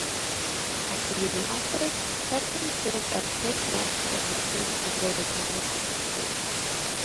After leaving office, Preston served as Postmaster of Richmond before retiring to his estate.